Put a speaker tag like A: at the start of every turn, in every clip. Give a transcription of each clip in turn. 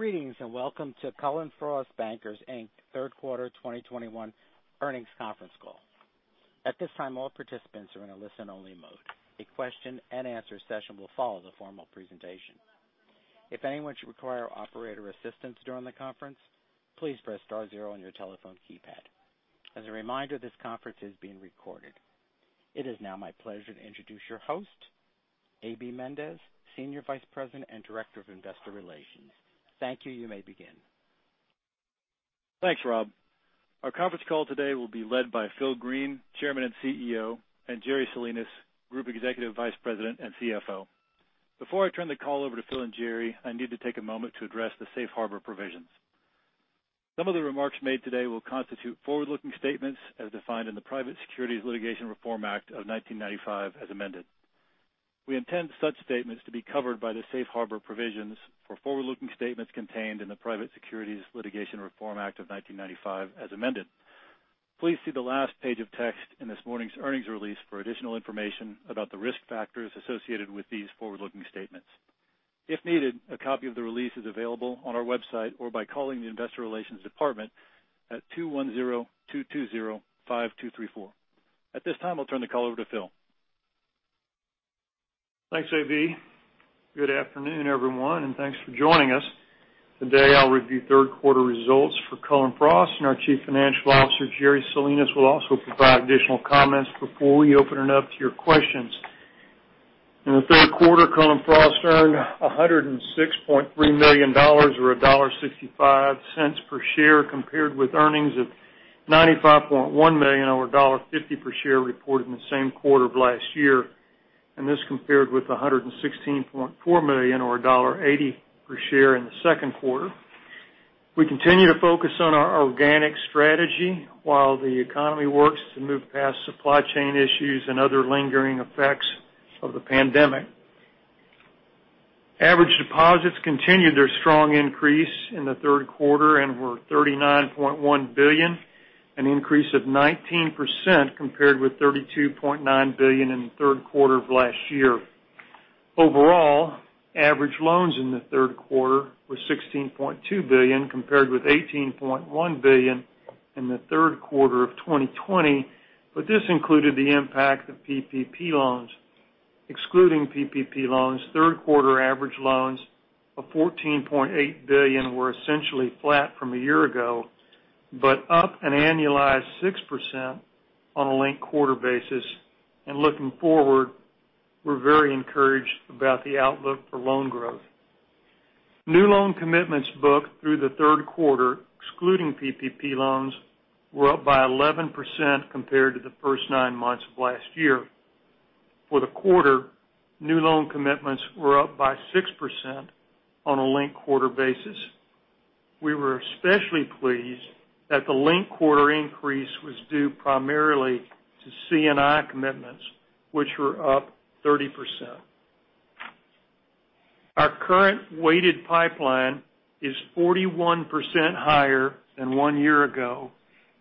A: Greetings, and welcome to Cullen/Frost Bankers, Inc. third quarter 2021 earnings conference call. At this time, all participants are in a listen-only mode. A question and answer session will follow the formal presentation. If anyone should require operator assistance during the conference, please press star zero on your telephone keypad. As a reminder, this conference is being recorded. It is now my pleasure to introduce your host, A.B. Mendez, Senior Vice President and Director of Investor Relations. Thank you. You may begin.
B: Thanks, Rob. Our conference call today will be led by Phil Green, Chairman and CEO, and Jerry Salinas, Group Executive Vice President and CFO. Before I turn the call over to Phil and Jerry, I need to take a moment to address the safe harbor provisions. Some of the remarks made today will constitute forward-looking statements as defined in the Private Securities Litigation Reform Act of 1995 as amended. We intend such statements to be covered by the safe harbor provisions for forward-looking statements contained in the Private Securities Litigation Reform Act of 1995 as amended. Please see the last page of text in this morning's earnings release for additional information about the risk factors associated with these forward-looking statements. If needed, a copy of the release is available on our website or by calling the investor relations department at 210-220-5234. At this time, I'll turn the call over to Phil.
C: Thanks, A.B. Good afternoon, everyone, and thanks for joining us. Today, I'll review third quarter results for Cullen/Frost, and our Chief Financial Officer, Jerry Salinas, will also provide additional comments before we open it up to your questions. In the third quarter, Cullen/Frost earned $106.3 million or $1.65 per share, compared with earnings of $95.1 million or $1.50 per share reported in the same quarter of last year. This compared with $116.4 million or $1.80 per share in the second quarter. We continue to focus on our organic strategy while the economy works to move past supply chain issues and other lingering effects of the pandemic. Average deposits continued their strong increase in the third quarter and were $39.1 billion, an increase of 19% compared with $32.9 billion in the third quarter of last year. Overall, average loans in the third quarter was $16.2 billion, compared with $18.1 billion in the third quarter of 2020, but this included the impact of PPP loans. Excluding PPP loans, third quarter average loans of $14.8 billion were essentially flat from a year ago, but up an annualized 6% on a linked quarter basis. Looking forward, we're very encouraged about the outlook for loan growth. New loan commitments booked through the third quarter, excluding PPP loans, were up by 11% compared to the first nine months of last year. For the quarter, new loan commitments were up by 6% on a linked quarter basis. We were especially pleased that the linked quarter increase was due primarily to C&I commitments, which were up 30%. Our current weighted pipeline is 41% higher than one year ago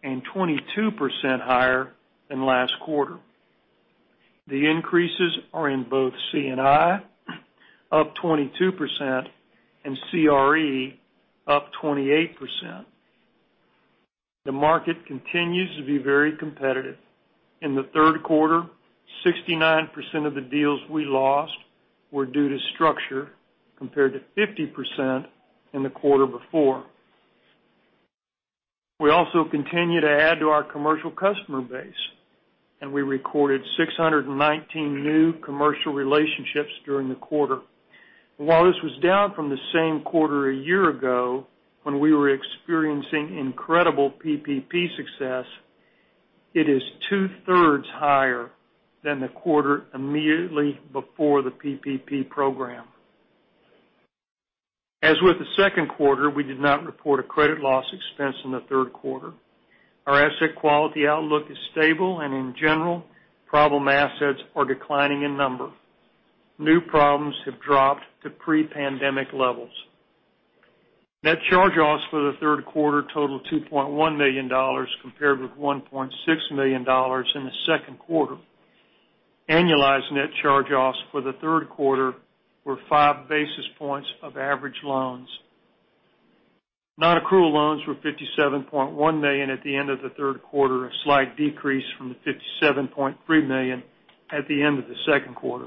C: and 22% higher than last quarter. The increases are in both C&I, up 22%, and CRE, up 28%. The market continues to be very competitive. In the third quarter, 69% of the deals we lost were due to structure, compared to 50% in the quarter before. We also continue to add to our commercial customer base, and we recorded 619 new commercial relationships during the quarter. While this was down from the same quarter a year ago when we were experiencing incredible PPP success, it is two-thirds higher than the quarter immediately before the PPP program. As with the second quarter, we did not report a credit loss expense in the third quarter. Our asset quality outlook is stable, and in general, problem assets are declining in number. New problems have dropped to pre-pandemic levels. Net charge-offs for the third quarter totaled $2.1 million, compared with $1.6 million in the second quarter. Annualized net charge-offs for the third quarter were five basis points of average loans. Non-accrual loans were $57.1 million at the end of the third quarter, a slight decrease from the $57.3 million at the end of the second quarter.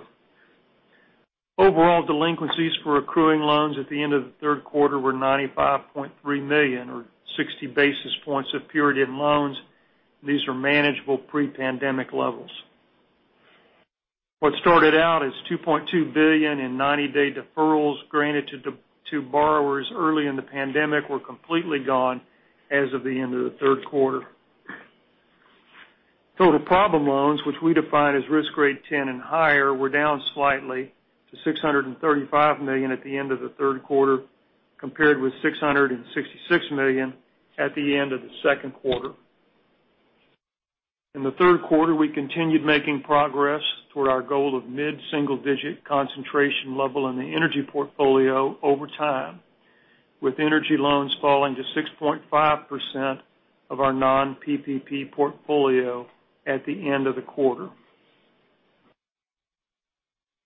C: Overall delinquencies for accruing loans at the end of the third quarter were $95.3 million, or 60 basis points of performing loans. These are manageable pre-pandemic levels. What started out as $2.2 billion in 90-day deferrals granted to borrowers early in the pandemic were completely gone as of the end of the third quarter. Total problem loans, which we define as risk grade 10 and higher, were down slightly to $635 million at the end of the third quarter, compared with $666 million at the end of the second quarter. In the third quarter, we continued making progress toward our goal of mid-single digit concentration level in the energy portfolio over time, with energy loans falling to 6.5% of our non-PPP portfolio at the end of the quarter.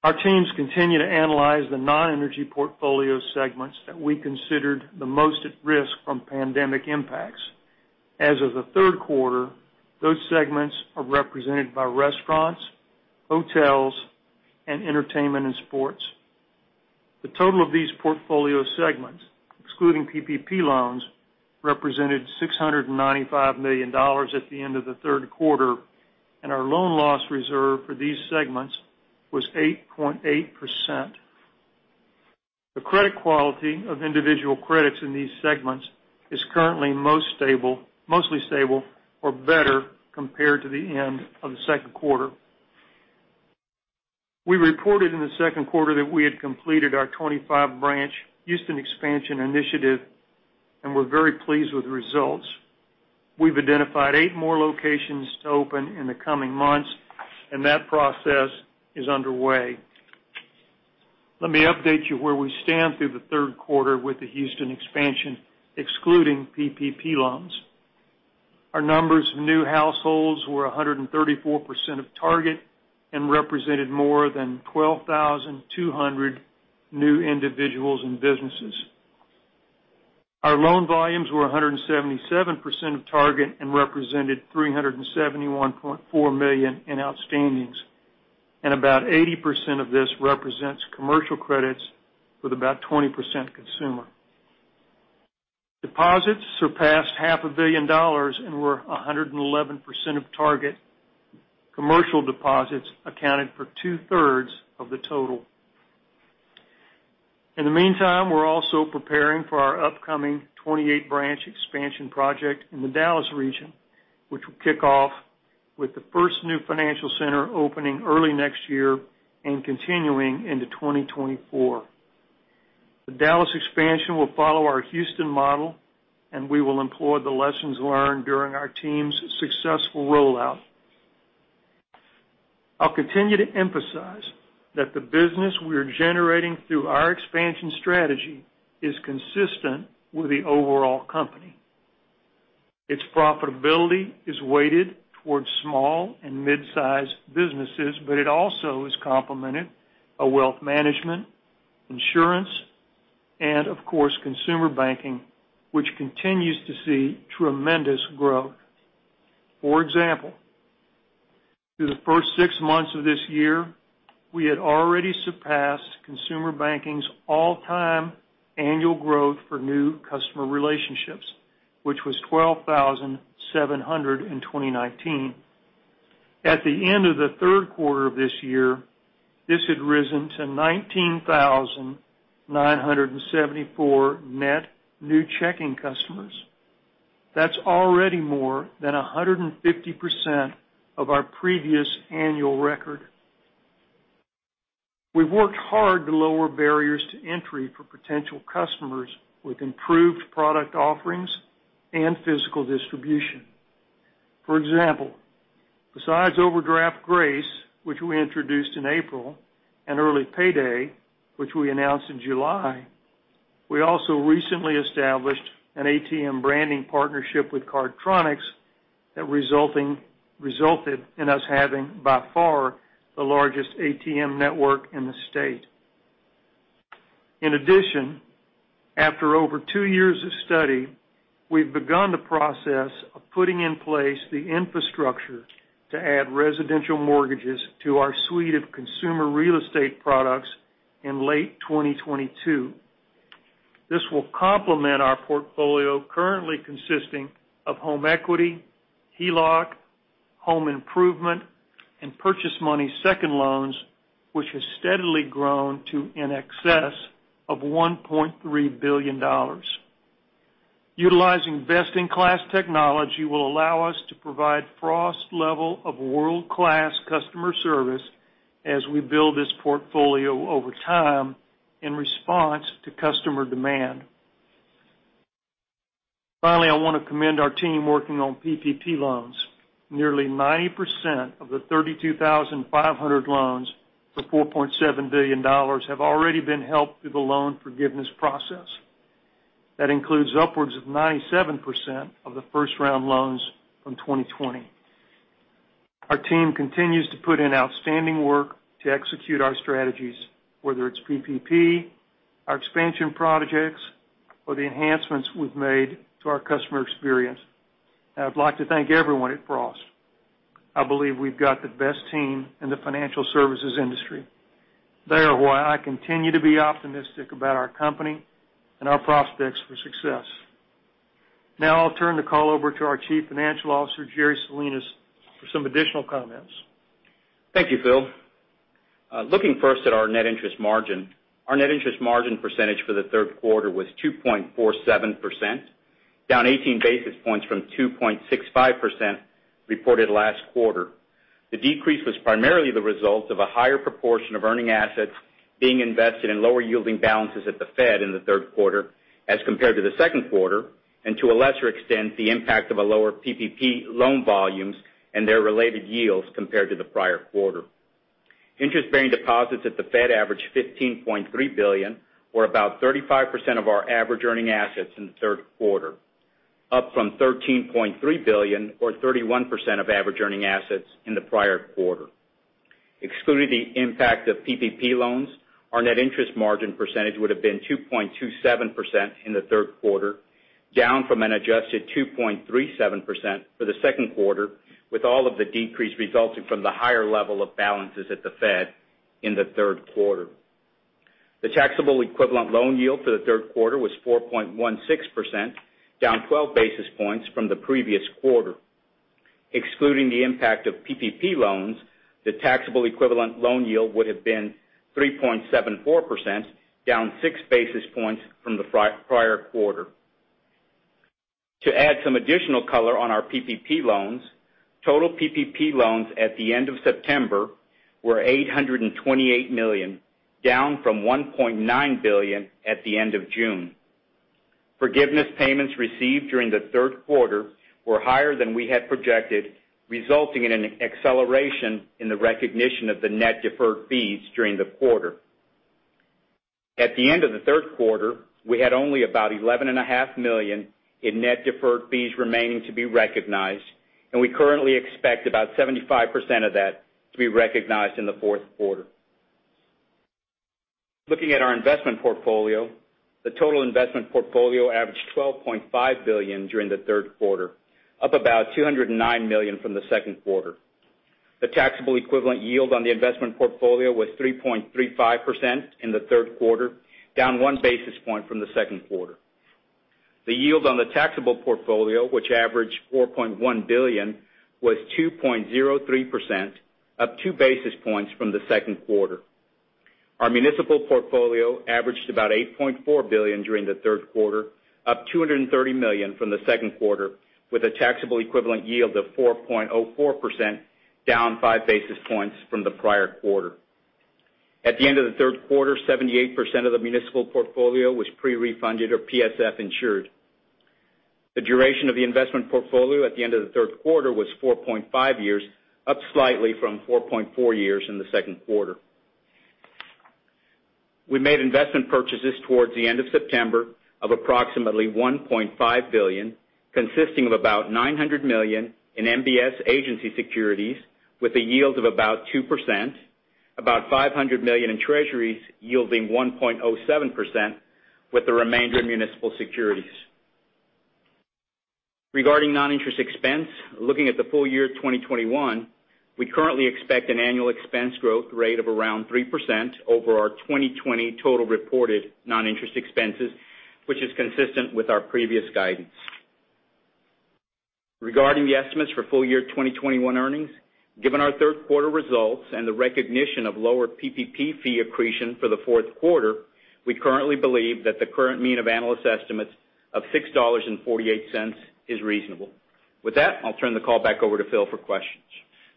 C: Our teams continue to analyze the non-energy portfolio segments that we considered the most at risk from pandemic impacts. As of the third quarter, those segments are represented by restaurants, hotels, and entertainment and sports. The total of these portfolio segments, excluding PPP loans, represented $695 million at the end of the third quarter, and our loan loss reserve for these segments was 8.8%. The credit quality of individual credits in these segments is currently mostly stable or better compared to the end of the second quarter. We reported in the second quarter that we had completed our 25-branch Houston expansion initiative, and we're very pleased with the results. We've identified eight more locations to open in the coming months, and that process is underway. Let me update you where we stand through the third quarter with the Houston expansion, excluding PPP loans. Our numbers of new households were 134% of target and represented more than 12,200 new individuals and businesses. Our loan volumes were 177% of target and represented $371.4 million in outstandings. About 80% of this represents commercial credits, with about 20% consumer. Deposits surpassed $500 million and were 111% of target. Commercial deposits accounted for two-thirds of the total. In the meantime, we're also preparing for our upcoming 28 branch expansion project in the Dallas region, which will kick off with the first new financial center opening early next year and continuing into 2024. The Dallas expansion will follow our Houston model, and we will employ the lessons learned during our team's successful rollout. I'll continue to emphasize that the business we are generating through our expansion strategy is consistent with the overall company. Its profitability is weighted towards small and mid-size businesses, but it also is complemented by wealth management, insurance, and of course, consumer banking, which continues to see tremendous growth. For example, through the first six months of this year, we had already surpassed consumer banking's all-time annual growth for new customer relationships, which was 12,700 in 2019. At the end of the third quarter of this year, this had risen to 19,974 net new checking customers. That's already more than 150% of our previous annual record. We've worked hard to lower barriers to entry for potential customers with improved product offerings and physical distribution. For example, besides Overdraft Grace, which we introduced in April, and Early Payday, which we announced in July, we also recently established an ATM branding partnership with Cardtronics that resulted in us having, by far, the largest ATM network in the state. In addition, after over two years of study, we've begun the process of putting in place the infrastructure to add residential mortgages to our suite of consumer real estate products in late 2022. This will complement our portfolio currently consisting of home equity, HELOC, home improvement, and purchase money second loans, which has steadily grown to in excess of $1.3 billion. Utilizing best-in-class technology will allow us to provide Frost level of world-class customer service as we build this portfolio over time in response to customer demand. Finally, I wanna commend our team working on PPP loans. Nearly 90% of the 32,500 loans for $4.7 billion have already been helped through the loan forgiveness process. That includes upwards of 97% of the first-round loans from 2020. Our team continues to put in outstanding work to execute our strategies, whether it's PPP, our expansion projects, or the enhancements we've made to our customer experience. I'd like to thank everyone at Frost. I believe we've got the best team in the financial services industry. They are why I continue to be optimistic about our company and our prospects for success. Now, I'll turn the call over to our Chief Financial Officer, Jerry Salinas, for some additional comments.
D: Thank you, Phil. Looking first at our net interest margin. Our net interest margin percentage for the third quarter was 2.47%, down 18 basis points from 2.65% reported last quarter. The decrease was primarily the result of a higher proportion of earning assets being invested in lower-yielding balances at the Fed in the third quarter as compared to the second quarter, and to a lesser extent, the impact of a lower PPP loan volumes and their related yields compared to the prior quarter. Interest-bearing deposits at the Fed averaged $15.3 billion, or about 35% of our average earning assets in the third quarter. Up from $13.3 billion or 31% of average earning assets in the prior quarter. Excluding the impact of PPP loans, our net interest margin percentage would have been 2.27% in the third quarter, down from an adjusted 2.37% for the second quarter, with all of the decrease resulting from the higher level of balances at the Fed in the third quarter. The taxable equivalent loan yield for the third quarter was 4.16%, down 12 basis points from the previous quarter. Excluding the impact of PPP loans, the taxable equivalent loan yield would have been 3.74%, down six basis points from the prior quarter. To add some additional color on our PPP loans, total PPP loans at the end of September were $828 million, down from $1.9 billion at the end of June. Forgiveness payments received during the third quarter were higher than we had projected, resulting in an acceleration in the recognition of the net deferred fees during the quarter. At the end of the third quarter, we had only about $11.5 million in net deferred fees remaining to be recognized, and we currently expect about 75% of that to be recognized in the fourth quarter. Looking at our investment portfolio, the total investment portfolio averaged $12.5 billion during the third quarter, up about $209 million from the second quarter. The taxable equivalent yield on the investment portfolio was 3.35% in the third quarter, down 1 basis point from the second quarter. The yield on the taxable portfolio, which averaged $4.1 billion, was 2.03%, up two basis points from the second quarter. Our municipal portfolio averaged about $8.4 billion during the third quarter, up $230 million from the second quarter, with a taxable equivalent yield of 4.04%, down five basis points from the prior quarter. At the end of the third quarter, 78% of the municipal portfolio was pre-refunded or PSF insured. The duration of the investment portfolio at the end of the third quarter was 4.5 years, up slightly from 4.4 years in the second quarter. We made investment purchases towards the end of September of approximately $1.5 billion, consisting of about $900 million in MBS agency securities with a yield of about 2%, about $500 million in treasuries yielding 1.07% with the remainder in municipal securities. Regarding non-interest expense, looking at the full year 2021, we currently expect an annual expense growth rate of around 3% over our 2020 total reported non-interest expenses, which is consistent with our previous guidance. Regarding the estimates for full year 2021 earnings, given our third quarter results and the recognition of lower PPP fee accretion for the fourth quarter, we currently believe that the current mean of analyst estimates of $6.48 is reasonable. With that, I'll turn the call back over to Phil for questions.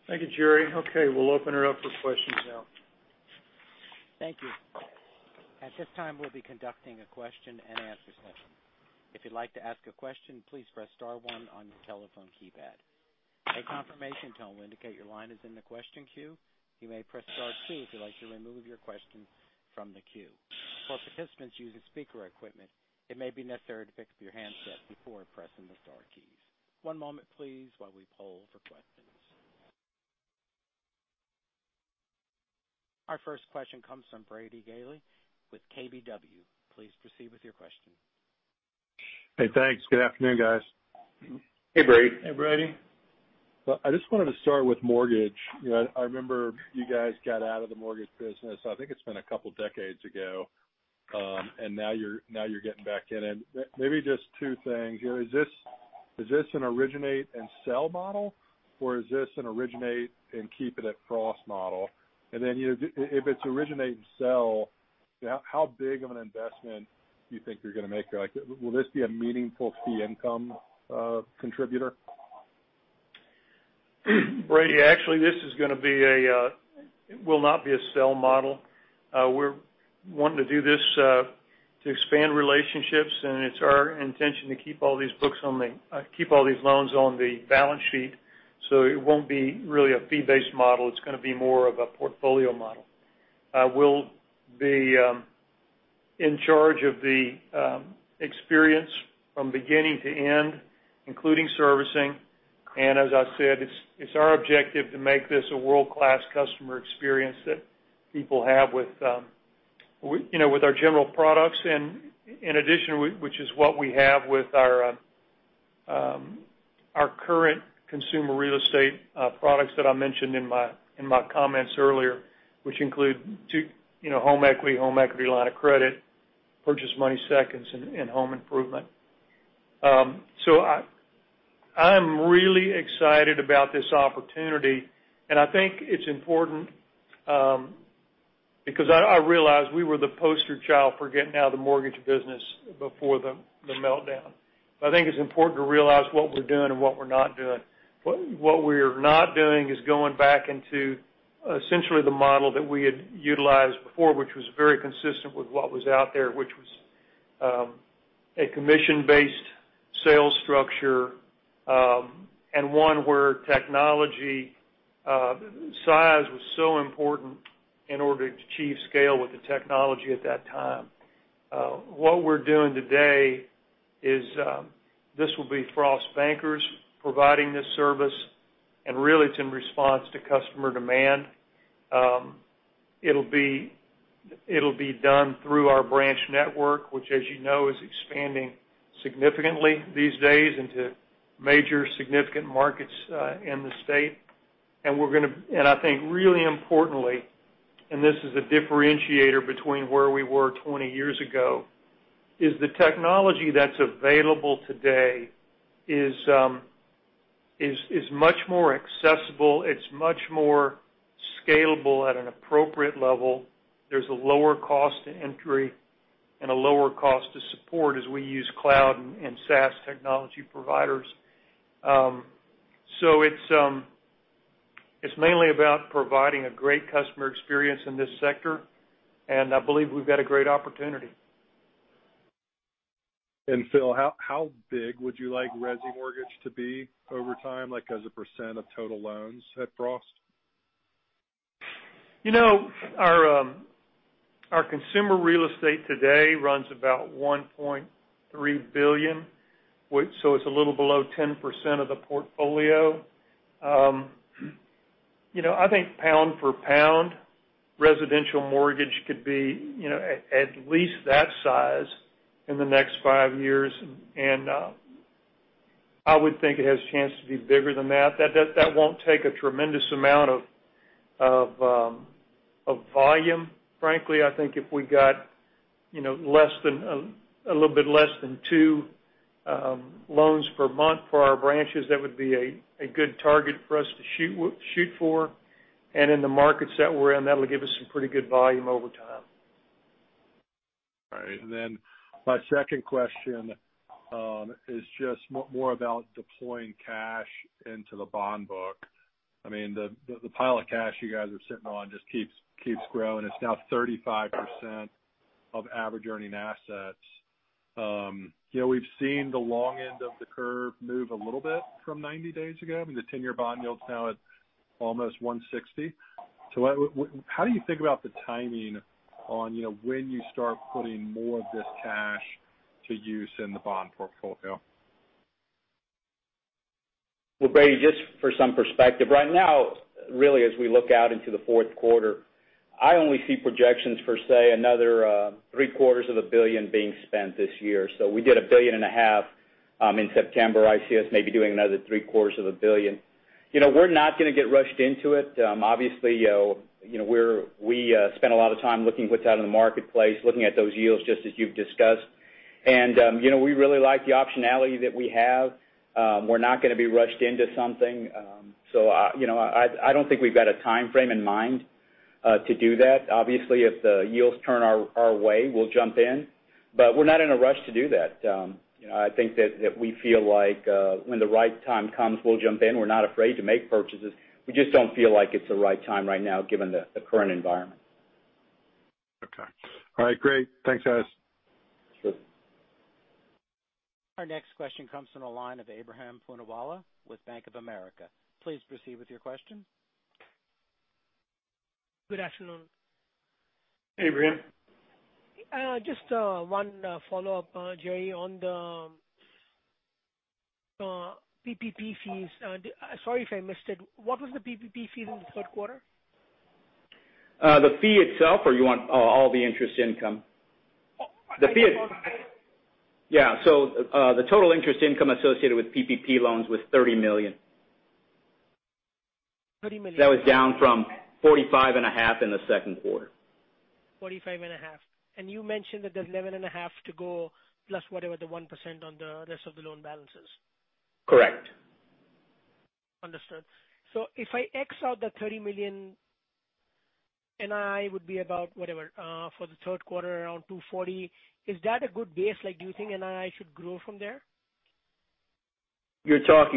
C: Thank you, Jerry. Okay, we'll open it up for questions now.
A: Thank you. At this time, we'll be conducting a question-and-answer session. If you'd like to ask a question, please press star one on your telephone keypad. A confirmation tone will indicate your line is in the question queue. You may press star two if you'd like to remove your question from the queue. For participants using speaker equipment, it may be necessary to pick up your handset before pressing the star keys. One moment, please, while we poll for questions. Our first question comes from Brady Gailey with KBW. Please proceed with your question.
E: Hey, thanks. Good afternoon, guys.
D: Hey, Brady.
C: Hey, Brady.
E: Well, I just wanted to start with mortgage. You know, I remember you guys got out of the mortgage business, I think it's been a couple decades ago, and now you're getting back in. Maybe just two things. You know, is this an originate and sell model, or is this an originate and keep it at cross model? You know, if it's originate and sell, how big of an investment do you think you're gonna make there? Like, will this be a meaningful fee income contributor?
C: Brady, actually, this is gonna be a. It will not be a sell model. We're wanting to do this to expand relationships, and it's our intention to keep all these loans on the balance sheet. It won't be really a fee-based model, it's gonna be more of a portfolio model. We'll be in charge of the experience from beginning to end, including servicing. As I said, it's our objective to make this a world-class customer experience that people have with, you know, with our general products. In addition, which is what we have with our current consumer real estate products that I mentioned in my comments earlier, which include too, you know, home equity line of credit, purchase money seconds and home improvement. I'm really excited about this opportunity, and I think it's important, because I realize we were the poster child for getting out of the mortgage business before the meltdown. I think it's important to realize what we're doing and what we're not doing. What we're not doing is going back into essentially the model that we had utilized before, which was very consistent with what was out there, which was a commission-based sales structure, and one where technology, size was so important in order to achieve scale with the technology at that time. What we're doing today is this will be Frost bankers providing this service, and really it's in response to customer demand. It'll be done through our branch network, which as you know, is expanding significantly these days into major significant markets in the state. I think really importantly, this is a differentiator between where we were 20 years ago. The technology that's available today is much more accessible. It's much more scalable at an appropriate level. There's a lower cost to entry and a lower cost to support as we use cloud and SaaS technology providers. It's mainly about providing a great customer experience in this sector, and I believe we've got a great opportunity.
E: Phil, how big would you like resi mortgage to be over time, like as a percent of total loans at Frost?
C: You know, our consumer real estate today runs about $1.3 billion, which, so it's a little below 10% of the portfolio. You know, I think pound for pound, residential mortgage could be, you know, at least that size in the next five years. I would think it has a chance to be bigger than that. That won't take a tremendous amount of volume, frankly. I think if we got, you know, a little bit less than two loans per month for our branches, that would be a good target for us to shoot for. In the markets that we're in, that'll give us some pretty good volume over time.
E: All right. Then my second question is just more about deploying cash into the bond book. I mean, the pile of cash you guys are sitting on just keeps growing. It's now 35% of average earning assets. You know, we've seen the long end of the curve move a little bit from 90 days ago. I mean, the 10-year bond yield's now at almost 1.60. How do you think about the timing on, you know, when you start putting more of this cash to use in the bond portfolio?
D: Well, Brady, just for some perspective. Right now, really as we look out into the fourth quarter, I only see projections for, say, another $750 million being spent this year. We did $1.5 billion in September. I see us maybe doing another $750 million. You know, we're not gonna get rushed into it. Obviously, you know, we spend a lot of time looking at what's out in the marketplace, looking at those yields, just as you've discussed. We really like the optionality that we have. We're not gonna be rushed into something. You know, I don't think we've got a timeframe in mind to do that. Obviously, if the yields turn our way, we'll jump in. We're not in a rush to do that. I think that we feel like when the right time comes, we'll jump in. We're not afraid to make purchases. We just don't feel like it's the right time right now given the current environment.
E: Okay. All right, great. Thanks, guys.
D: Sure.
A: Our next question comes from the line of Ebrahim Poonawala with Bank of America. Please proceed with your question.
F: Good afternoon.
C: Hey, Ebrahim.
F: Just one follow-up, Jerry, on the PPP fees. Sorry if I missed it. What was the PPP fee in the third quarter?
D: The fee itself, or you want all the interest income?
F: The fee-
D: The total interest income associated with PPP loans was $30 million.
F: $30 million.
D: That was down from $45.5 million in the second quarter.
F: $45.5 million. You mentioned that there's $11.5 million to go, plus whatever the 1% on the rest of the loan balance is.
D: Correct.
F: Understood. If I x out the $30 million, NII would be about whatever, for the third quarter, around $240 million. Is that a good base? Like, do you think NII should grow from there?
D: Help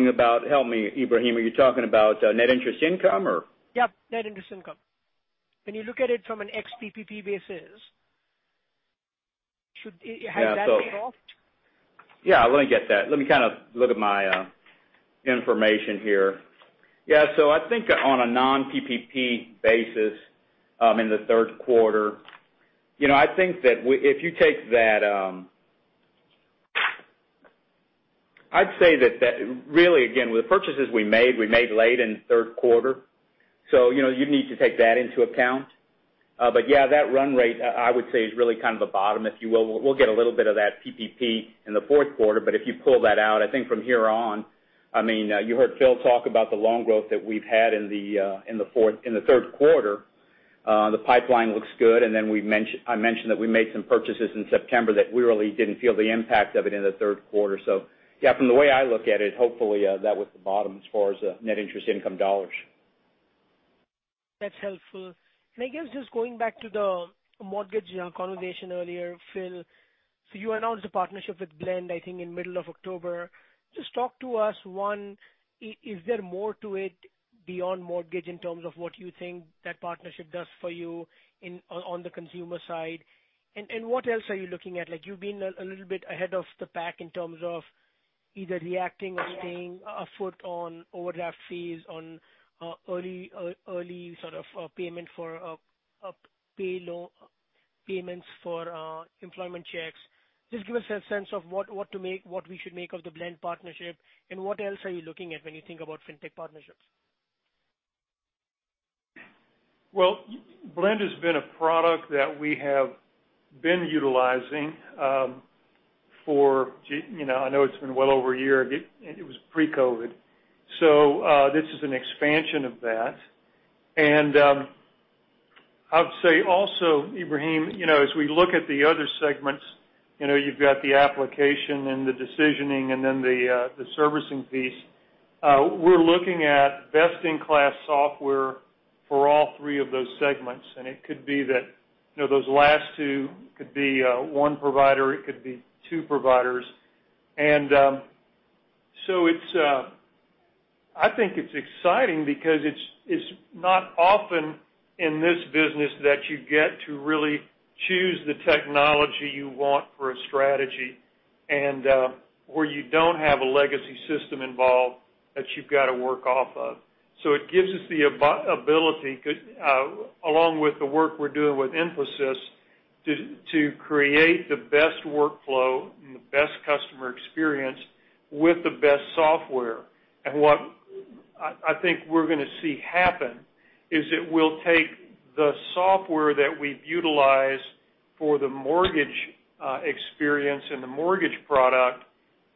D: me, Ebrahim. Are you talking about net interest income or?
F: Yeah, net interest income. When you look at it from an ex PPP basis, has that kicked off?
D: Yeah, let me get that. Let me kind of look at my information here. Yeah, I think on a non-PPP basis in the third quarter. I think that if you take that, I'd say that really, again, with the purchases we made late in the third quarter. You know, you need to take that into account. Yeah, that run rate I would say is really kind of a bottom, if you will. We'll get a little bit of that PPP in the fourth quarter. If you pull that out, I think from here on, I mean, you heard Phil Green talk about the loan growth that we've had in the third quarter. The pipeline looks good, and then I mentioned that we made some purchases in September that we really didn't feel the impact of it in the third quarter. Yeah, from the way I look at it, hopefully, that was the bottom as far as net interest income dollars.
F: That's helpful. I guess just going back to the mortgage conversation earlier, Phil. You announced a partnership with Blend, I think, in middle of October. Just talk to us, one, is there more to it? Beyond mortgage in terms of what you think that partnership does for you on the consumer side. What else are you looking at? Like, you've been a little bit ahead of the pack in terms of either reacting or staying ahead on overdraft fees, on early payments for employment checks. Just give us a sense of what we should make of the Blend partnership and what else are you looking at when you think about fintech partnerships?
C: Well, Blend has been a product that we have been utilizing, you know, I know it's been well over a year, it was pre-COVID. This is an expansion of that. I'd say also, Ebrahim, you know, as we look at the other segments, you know, you've got the application and the decisioning, and then the servicing piece. We're looking at best-in-class software for all three of those segments, and it could be that, you know, those last two could be one provider, it could be two providers. It's exciting because it's not often in this business that you get to really choose the technology you want for a strategy and where you don't have a legacy system involved that you've got to work off of. It gives us the ability, along with the work we're doing with Infosys to create the best workflow and the best customer experience with the best software. What I think we're gonna see happen is it will take the software that we've utilized for the mortgage experience and the mortgage product,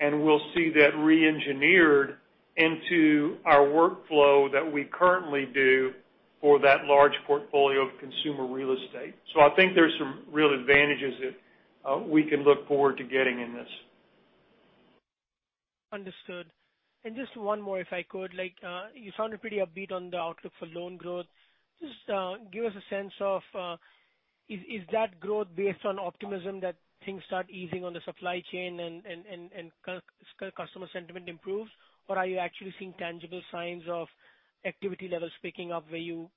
C: and we'll see that reengineered into our workflow that we currently do for that large portfolio of consumer real estate. I think there's some real advantages that we can look forward to getting in this.
F: Understood. Just one more, if I could. Like, you sounded pretty upbeat on the outlook for loan growth. Give us a sense of, is that growth based on optimism that things start easing on the supply chain and customer sentiment improves? Or are you actually seeing tangible signs of activity levels picking up where you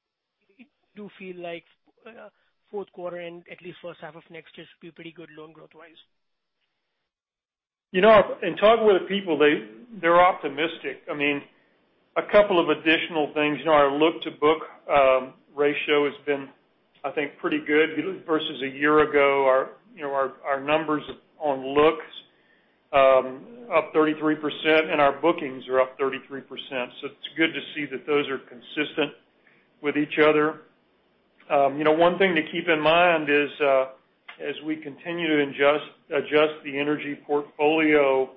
F: do feel like fourth quarter and at least first half of next year should be pretty good loan growth-wise?
C: You know, in talking with the people, they’re optimistic. I mean, a couple of additional things. You know, our look-to-book ratio has been, I think, pretty good versus a year ago. Our, you know, our numbers on looks up 33%, and our bookings are up 33%. So it’s good to see that those are consistent with each other. You know, one thing to keep in mind is as we continue to adjust the energy portfolio,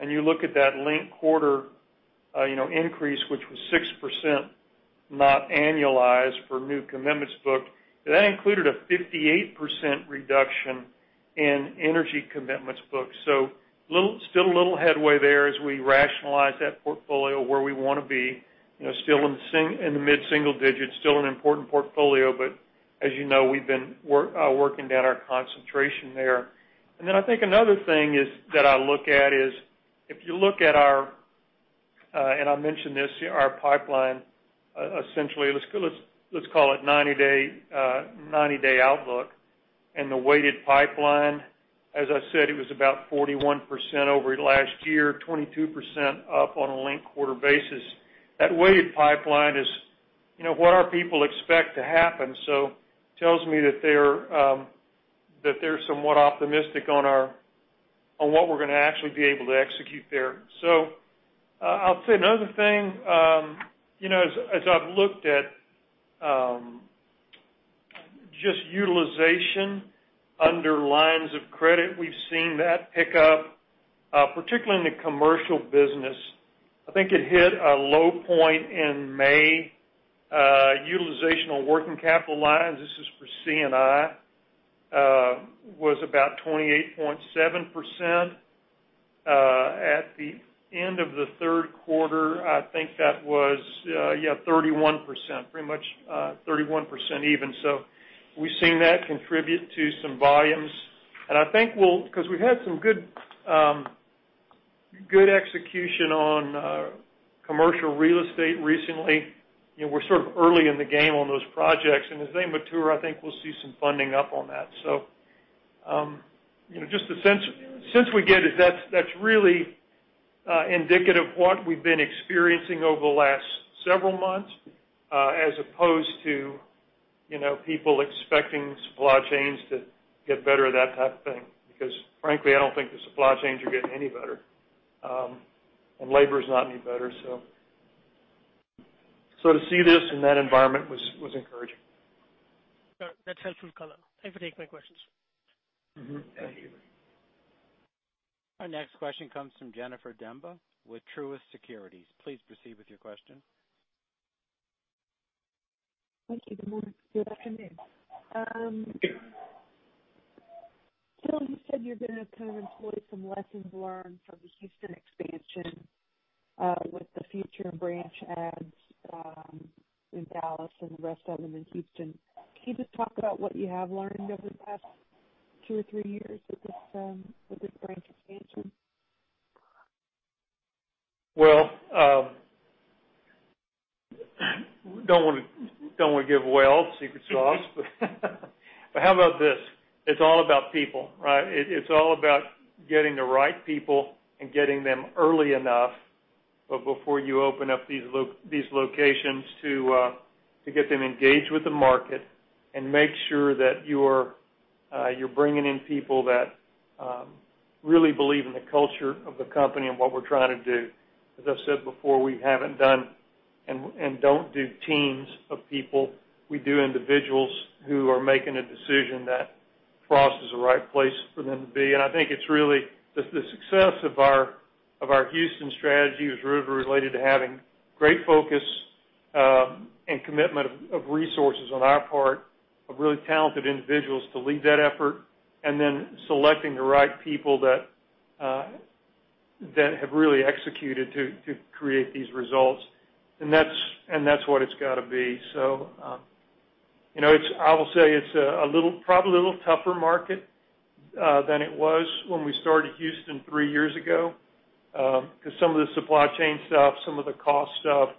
C: and you look at that linked quarter, you know, increase, which was 6%, not annualized for new commitments booked. That included a 58% reduction in energy commitments booked. Still a little headway there as we rationalize that portfolio where we wanna be, you know, still in the mid-single digits, still an important portfolio. As you know, we've been working down our concentration there. Then I think another thing is that I look at is if you look at our and I mentioned this, our pipeline, essentially, let's call it ninety-day outlook. The weighted pipeline, as I said, it was about 41% over last year, 22% up on a linked quarter basis. That weighted pipeline is, you know, what our people expect to happen. That tells me that they're somewhat optimistic on what we're gonna actually be able to execute there. I'll say another thing, you know, as I've looked at just utilization under lines of credit, we've seen that pick up, particularly in the commercial business. I think it hit a low point in May. Utilization working capital lines, this is for C&I, was about 28.7%. At the end of the third quarter, I think that was 31%. Pretty much 31% even. We've seen that contribute to some volumes. I think we'll because we've had some good execution on commercial real estate recently. You know, we're sort of early in the game on those projects. As they mature, I think we'll see some funding up on that. You know, just the sense we get is that's really indicative of what we've been experiencing over the last several months, as opposed to, you know, people expecting supply chains to get better, that type of thing. Because frankly, I don't think the supply chains are getting any better, and labor is not any better. To see this in that environment was encouraging.
F: That's helpful color. Thank you for taking my questions.
C: Mm-hmm. Thank you.
A: Our next question comes from Jennifer Demba with Truist Securities. Please proceed with your question.
G: Thank you. Good afternoon. You said you're gonna kind of employ some lessons learned from the Houston expansion with the future branch adds in Dallas and the rest of them in Houston. Can you just talk about what you have learned over the past two or three years with this branch expansion?
C: Well, don't wanna give away all the secret sauce. How about this? It's all about people, right? It's all about getting the right people and getting them early enough, but before you open up these locations to get them engaged with the market and make sure that you're bringing in people that really believe in the culture of the company and what we're trying to do. As I've said before, we haven't done and don't do teams of people. We do individuals who are making a decision that Frost is the right place for them to be. I think it's really the success of our Houston strategy was really related to having great focus, and commitment of resources on our part of really talented individuals to lead that effort, and then selecting the right people that have really executed to create these results. That's what it's gotta be. You know, I will say it's a little, probably a little tougher market than it was when we started Houston three years ago, 'cause some of the supply chain stuff, some of the cost stuff,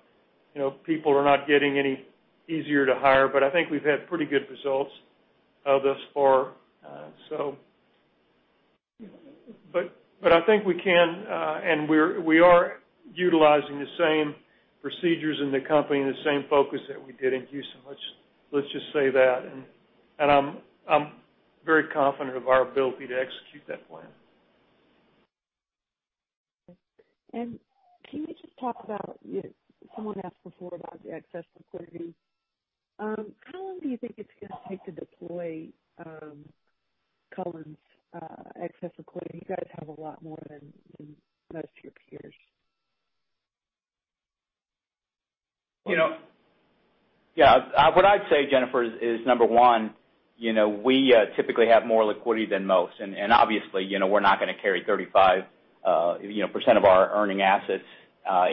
C: you know, people are not getting any easier to hire. I think we've had pretty good results thus far. I think we can and we are utilizing the same procedures in the company and the same focus that we did in Houston. Let's just say that. I'm very confident of our ability to execute that plan.
G: Can you just talk about, you know, someone asked before about the excess liquidity. How long do you think it's gonna take to deploy Cullen's excess liquidity? You guys have a lot more than most of your peers.
D: You know. Yeah, what I'd say, Jennifer, is number one, you know, we typically have more liquidity than most. Obviously, you know, we're not gonna carry 35% of our earning assets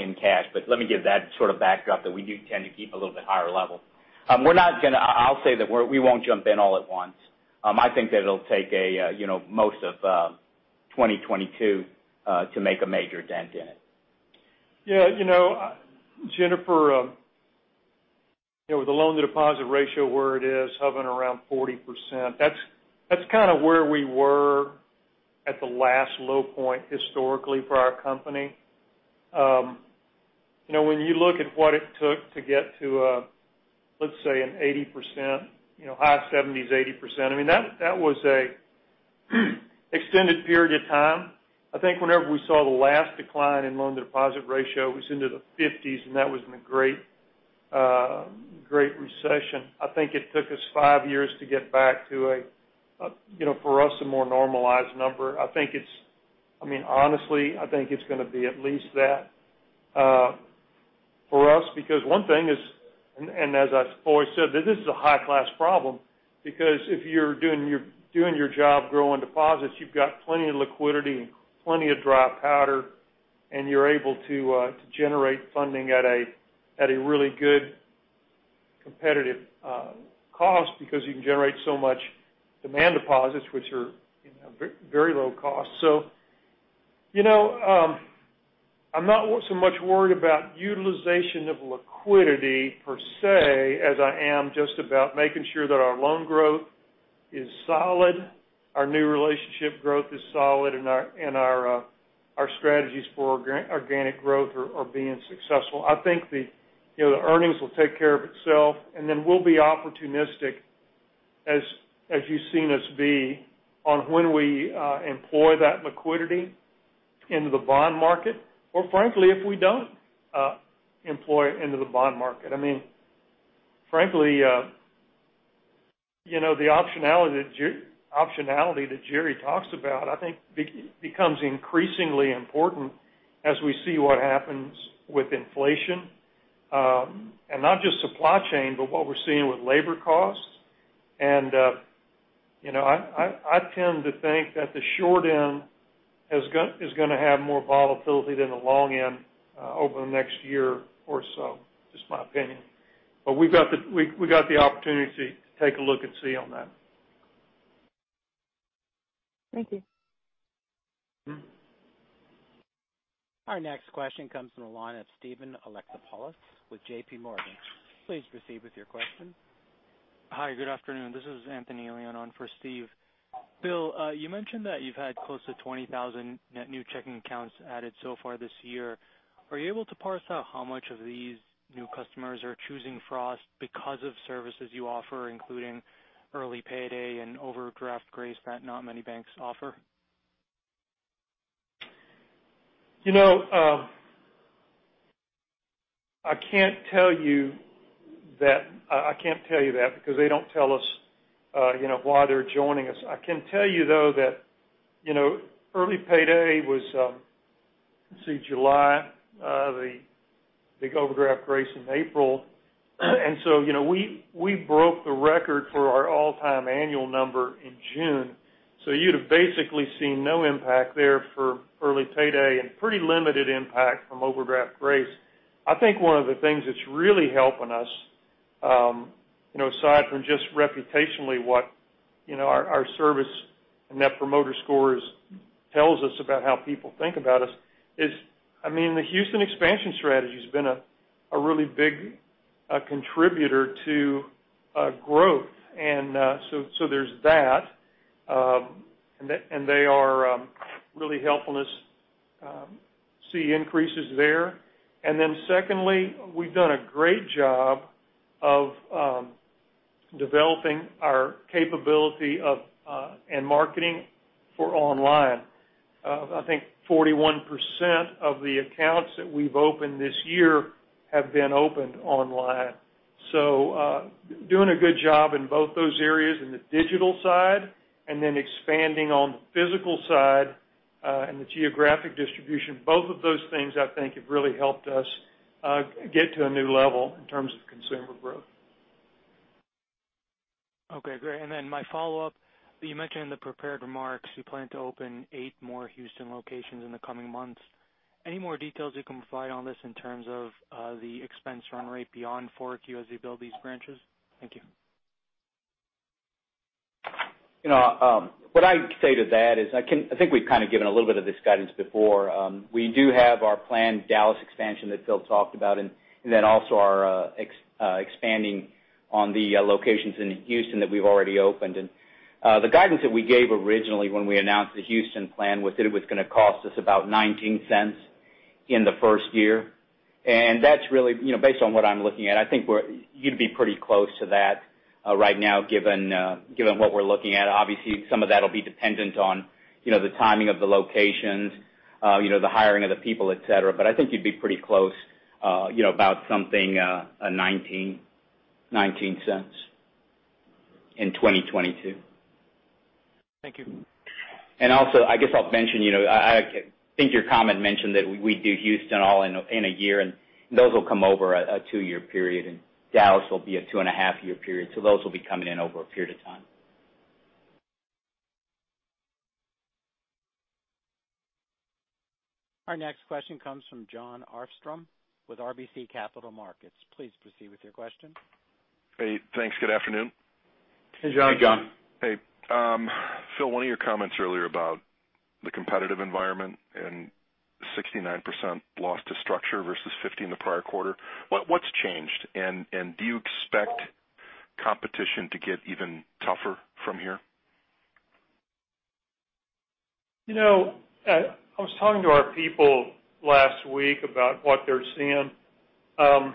D: in cash. Let me give that sort of backdrop that we do tend to keep a little bit higher level. I'll say that we won't jump in all at once. I think that it'll take, you know, most of 2022 to make a major dent in it.
C: Yeah, you know, Jennifer, you know, with the loan-to-deposit ratio where it is, hovering around 40%, that's kinda where we were at the last low point historically for our company. You know, when you look at what it took to get to, let's say an 80%, you know, high 70s-80%, I mean, that was an extended period of time. I think whenever we saw the last decline in loan-to-deposit ratio, it was into the 50s, and that was in the Great Recession. I think it took us five years to get back to a, you know, for us, a more normalized number. I mean, honestly, I think it's gonna be at least that, for us. Because one thing is, as I've always said, that this is a high-class problem, because if you're doing your job growing deposits, you've got plenty of liquidity and plenty of dry powder, and you're able to generate funding at a really good competitive cost because you can generate so much demand deposits, which are, you know, very low cost. You know, I'm not so much worried about utilization of liquidity per se, as I am just about making sure that our loan growth is solid, our new relationship growth is solid, and our strategies for organic growth are being successful. I think the you know the earnings will take care of itself, and then we'll be opportunistic, as you've seen us be, on when we employ that liquidity into the bond market, or frankly, if we don't employ it into the bond market. I mean, frankly you know the optionality that Jerry talks about, I think becomes increasingly important as we see what happens with inflation. Not just supply chain, but what we're seeing with labor costs. You know, I tend to think that the short end is gonna have more volatility than the long end over the next year or so. Just my opinion. But we've got the opportunity to take a look and see on that.
G: Thank you.
C: Mm-hmm.
A: Our next question comes from the line of Steven Alexopoulos with J.P. Morgan. Please proceed with your question.
H: Hi, good afternoon. This is Anthony Elian on for Steve. Phil, you mentioned that you've had close to 20,000 net new checking accounts added so far this year. Are you able to parse out how much of these new customers are choosing Frost because of services you offer, including Early Payday and Overdraft Grace that not many banks offer?
C: You know, I can't tell you that because they don't tell us, you know, why they're joining us. I can tell you, though, that, you know, Early Payday was, let's see, July. The overdraft grace in April. You know, we broke the record for our all-time annual number in June, so you'd have basically seen no impact there for Early Payday and pretty limited impact from overdraft grace. I think one of the things that's really helping us, you know, aside from just reputationally what, you know, our service Net Promoter Score tells us about how people think about us is, I mean, the Houston expansion strategy has been a really big contributor to growth. So there's that. They are really helping us see increases there. Secondly, we've done a great job of developing our capability and marketing for online. I think 41% of the accounts that we've opened this year have been opened online. Doing a good job in both those areas in the digital side and then expanding on the physical side and the geographic distribution, both of those things I think have really helped us get to a new level in terms of consumer growth.
H: Okay, great. My follow-up, you mentioned in the prepared remarks you plan to open 8 more Houston locations in the coming months. Any more details you can provide on this in terms of, the expense run rate beyond 4 as you build these branches? Thank you.
D: You know, what I'd say to that is I think we've kind of given a little bit of this guidance before. We do have our planned Dallas expansion that Phil talked about, and then also our expanding on the locations in Houston that we've already opened. The guidance that we gave originally when we announced the Houston plan was that it was gonna cost us about $0.19 in the first year. That's really, you know, based on what I'm looking at, I think you'd be pretty close to that right now, given what we're looking at. Obviously, some of that'll be dependent on, you know, the timing of the locations, you know, the hiring of the people, et cetera. I think you'd be pretty close, you know, about something, $0.19 in 2022.
H: Thank you.
D: Also, I guess I'll mention, you know, I think your comment mentioned that we do Houston all in a year, and those will come over a two-year period, and Dallas will be a two-and-a-half-year period. Those will be coming in over a period of time.
A: Our next question comes from Jon Arfstrom with RBC Capital Markets. Please proceed with your question.
I: Hey, thanks. Good afternoon.
C: Hey, Jon.
D: Hey, Jon.
I: Hey. Phil, one of your comments earlier about the competitive environment and 69% loss to structure versus 50 in the prior quarter, what's changed? Do you expect competition to get even tougher from here?
C: You know, I was talking to our people last week about what they're seeing. I'd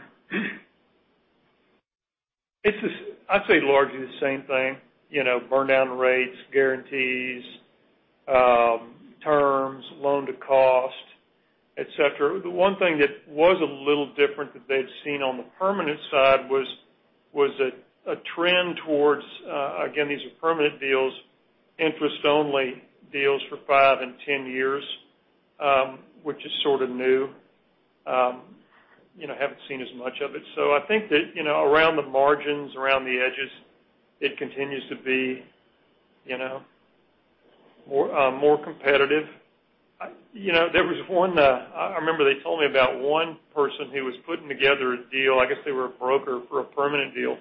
C: say largely the same thing, you know, burn down rates, guarantees, terms, loan to cost, et cetera. The one thing that was a little different that they've seen on the permanent side was a trend towards, again, these are permanent deals, interest only deals for five and 10 years, which is sort of new. You know, haven't seen as much of it. I think that, you know, around the margins, around the edges, it continues to be, you know, more competitive. You know, there was one. I remember they told me about one person who was putting together a deal. I guess they were a broker for a permanent deal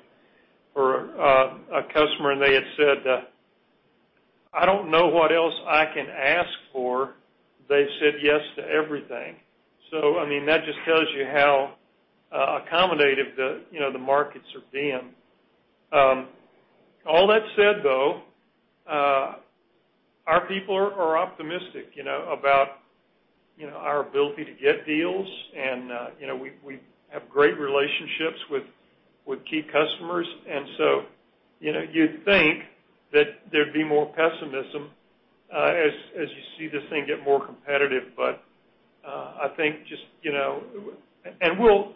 C: for a customer, and they had said, "I don't know what else I can ask for. They said yes to everything." So I mean, that just tells you how accommodative the you know, the markets are being. All that said, though, our people are optimistic, you know, about you know, our ability to get deals and you know, we have great relationships with key customers. You know, you'd think that there'd be more pessimism as you see this thing get more competitive. I think just you know. We'll,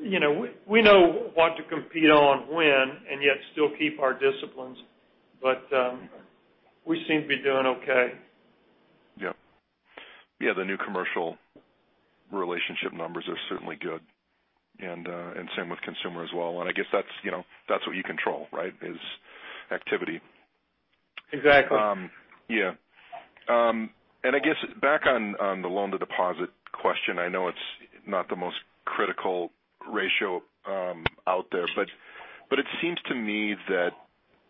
C: you know, we know what to compete on when, and yet still keep our disciplines. We seem to be doing okay.
I: Yep. Yeah, the new commercial relationship numbers are certainly good, and same with consumer as well. I guess that's, you know, that's what you control, right, is activity.
C: Exactly.
I: I guess back on the loan to deposit question, I know it's not the most critical ratio out there, but it seems to me that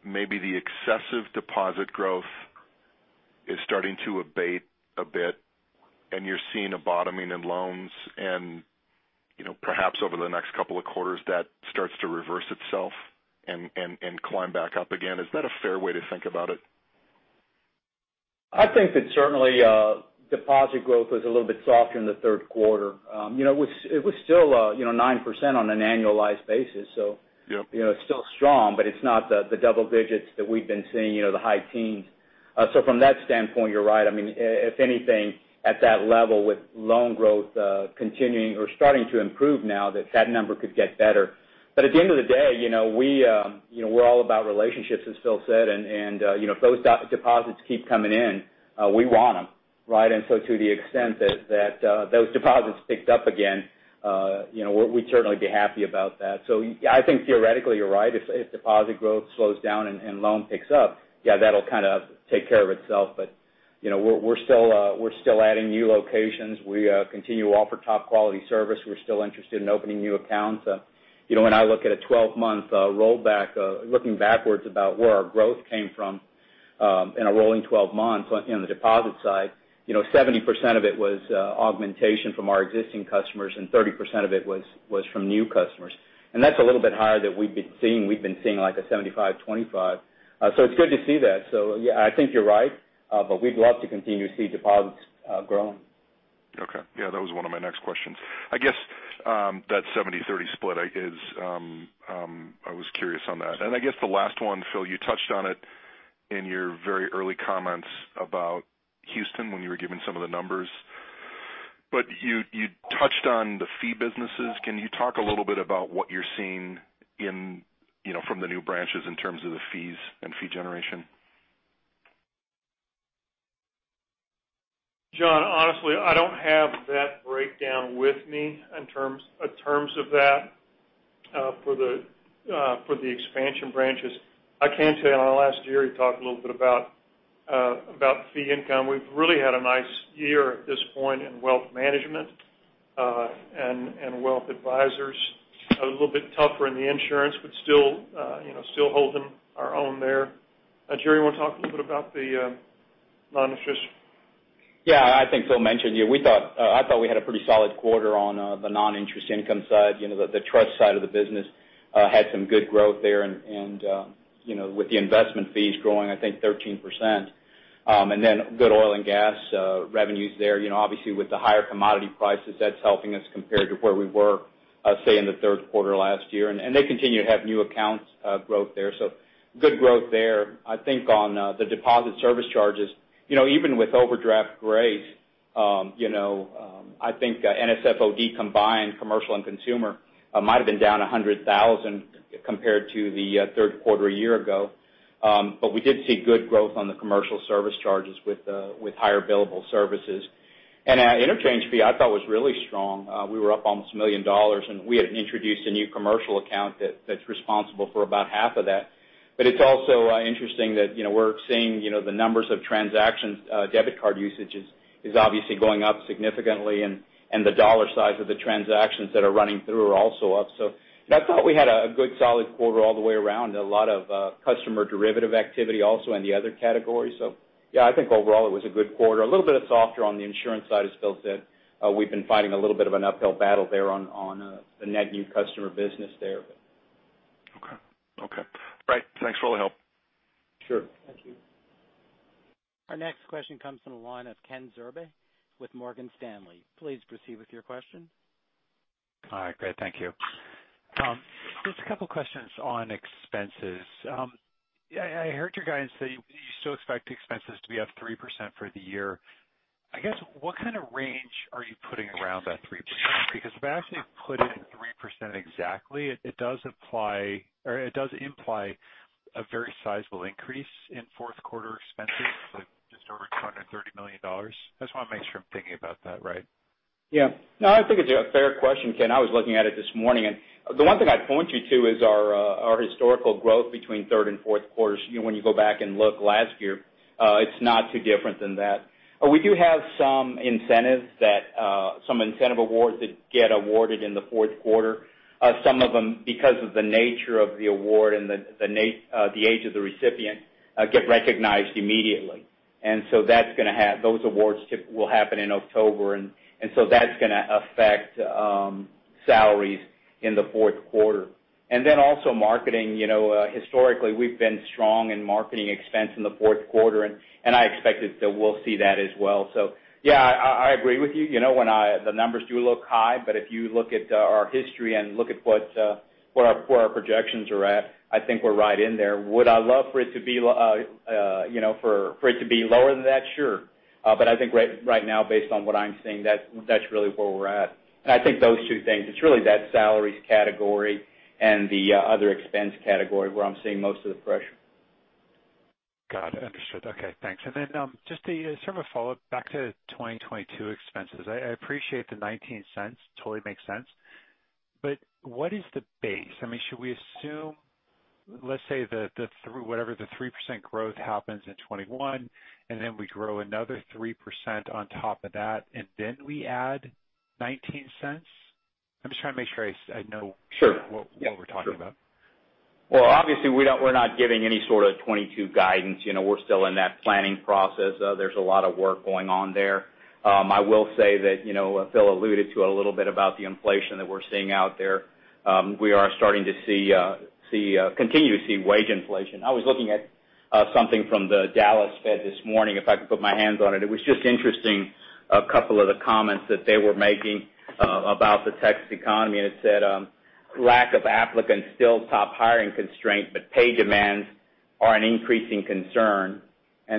I: maybe the excessive deposit growth is starting to abate a bit, and you're seeing a bottoming in loans and, you know, perhaps over the next couple of quarters, that starts to reverse itself and climb back up again. Is that a fair way to think about it?
D: I think that certainly, deposit growth was a little bit softer in the third quarter. You know, it was still, you know, 9% on an annualized basis, so.
I: Yep.
D: You know, it's still strong, but it's not the double digits that we've been seeing, you know, the high teens. From that standpoint, you're right. I mean, if anything, at that level with loan growth continuing or starting to improve now, that number could get better. At the end of the day, you know, we're all about relationships as Phil said, and you know, if those deposits keep coming in, we want them, right? To the extent that those deposits picked up again, you know, we'd certainly be happy about that. I think theoretically you're right. If deposit growth slows down and loan picks up, yeah, that'll kind of take care of itself. You know, we're still adding new locations. We continue to offer top quality service. We're still interested in opening new accounts. You know, when I look at a 12-month rollback, looking backwards about where our growth came from, in a rolling 12 months on, you know, the deposit side, you know, 70% of it was augmentation from our existing customers, and 30% of it was from new customers. That's a little bit higher than we've been seeing. We've been seeing like a 75/25. It's good to see that. Yeah, I think you're right, but we'd love to continue to see deposits grow.
I: Okay. Yeah, that was one of my next questions. I guess that 70-30 split I guess I was curious on that. I guess the last one, Phil, you touched on it in your very early comments about Houston when you were giving some of the numbers. You touched on the fee businesses. Can you talk a little bit about what you're seeing in, you know, from the new branches in terms of the fees and fee generation?
C: Jon, honestly, I don't have that breakdown with me in terms of that for the expansion branches. I can tell you on our last Jerry Talk a little bit about fee income. We've really had a nice year at this point in wealth management and wealth advisors. A little bit tougher in the insurance, but still, you know, still holding our own there. Jerry, you wanna talk a little bit about the non-interest?
D: Yeah, I think Phil mentioned, you know, we thought, I thought we had a pretty solid quarter on the non-interest income side. You know, the trust side of the business had some good growth there and you know, with the investment fees growing, I think 13%. Then good oil and gas revenues there. You know, obviously with the higher commodity prices, that's helping us compared to where we were, say, in the third quarter last year. They continue to have new accounts growth there. Good growth there. I think on the deposit service charges, you know, even with Overdraft Grace, you know, I think NSF OD combined, commercial and consumer, might've been down $100,000 compared to the third quarter a year ago. We did see good growth on the commercial service charges with higher billable services. Our interchange fee I thought was really strong. We were up almost $1 million, and we had introduced a new commercial account that's responsible for about half of that. It's also interesting that, you know, we're seeing, you know, the numbers of transactions, debit card usage is obviously going up significantly and the dollar size of the transactions that are running through are also up. I thought we had a good solid quarter all the way around. A lot of customer derivative activity also in the other categories. Yeah, I think overall it was a good quarter. A little bit softer on the insurance side, as Phil said. We've been fighting a little bit of an uphill battle there on the net new customer business there.
I: Okay. All right. Thanks for all the help.
D: Sure.
C: Thank you.
A: Our next question comes from the line of Ken Zerbe with Morgan Stanley. Please proceed with your question.
J: All right. Great. Thank you. Just a couple of questions on expenses. I heard you guys say you still expect expenses to be up 3% for the year. I guess, what kind of range are you putting around that 3%? Because if I actually put in 3% exactly, it does imply a very sizable increase in fourth quarter expenses, like just over $230 million. I just wanna make sure I'm thinking about that right.
D: Yeah. No, I think it's a fair question, Ken. I was looking at it this morning, and the one thing I'd point you to is our historical growth between third and fourth quarters. You know, when you go back and look last year, it's not too different than that. We do have some incentives that some incentive awards that get awarded in the fourth quarter. Some of them, because of the nature of the award and the age of the recipient, get recognized immediately. That's gonna have those awards they'll happen in October, and so that's gonna affect salaries in the fourth quarter. And then also marketing. You know, historically, we've been strong in marketing expense in the fourth quarter, and I expect that we'll see that as well. Yeah, I agree with you. The numbers do look high, but if you look at our history and look at where our projections are at, I think we're right in there. Would I love for it to be lower than that? Sure. But I think right now, based on what I'm seeing, that's really where we're at. I think those two things, it's really that salaries category and the other expense category where I'm seeing most of the pressure.
J: Got it. Understood. Okay, thanks. Just a sort of a follow-up back to 2022 expenses. I appreciate the $0.19, totally makes sense. But what is the base? I mean, should we assume, let's say that the 3% growth happens in 2021, and then we grow another 3% on top of that, and then we add $0.19? I'm just trying to make sure I know-
D: Sure.
J: what we're talking about.
D: Well, obviously, we're not giving any sort of 2022 guidance. You know, we're still in that planning process. There's a lot of work going on there. I will say that, you know, Phil alluded to a little bit about the inflation that we're seeing out there. We are starting to continue to see wage inflation. I was looking at something from the Dallas Fed this morning, if I can put my hands on it. It was just interesting, a couple of the comments that they were making about the Texas economy, and it said, lack of applicants still top hiring constraint, but pay demands are an increasing concern.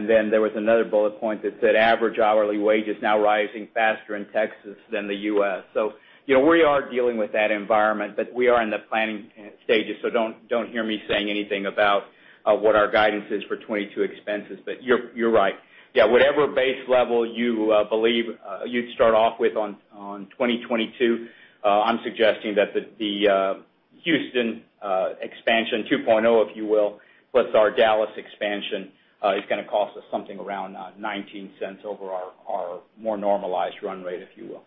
D: Then there was another bullet point that said, average hourly wages now rising faster in Texas than the U.S. You know, we are dealing with that environment, but we are in the planning stages, so don't hear me saying anything about what our guidance is for 2022 expenses. You're right. Yeah, whatever base level you believe you'd start off with on 2022, I'm suggesting that the Houston expansion 2.0, if you will, plus our Dallas expansion, is gonna cost us something around $0.19 over our more normalized run rate, if you will.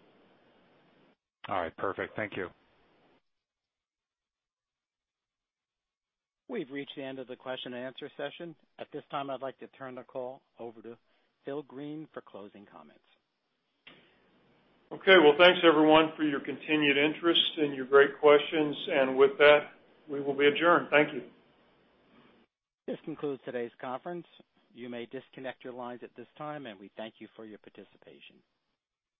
J: All right. Perfect. Thank you.
A: We've reached the end of the question and answer session. At this time, I'd like to turn the call over to Phil Green for closing comments.
C: Okay. Well, thanks everyone for your continued interest and your great questions. With that, we will be adjourned. Thank you.
A: This concludes today's conference. You may disconnect your lines at this time, and we thank you for your participation.